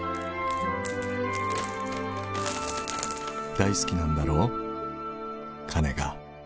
「大好きなんだろう」「金が」